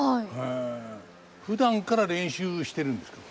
ふだんから練習してるんですか？